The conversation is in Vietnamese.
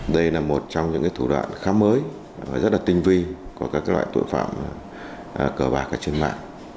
đây là một trong những thủ đoạn khá mới rất là tinh vi của các loại tội phạm cờ bạc trên mạng